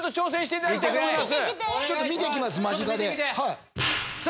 いただきます。